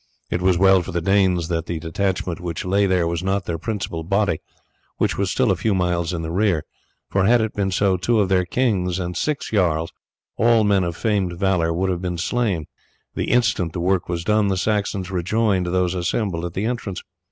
It was well for the Danes that the detachment which lay there was not their principal body, which was still a few miles in the rear, for had it been so two of their kings and six jarls, all men of famed valour, would have been slain. The instant the work was done the Saxons rejoined those assembled at the entrance.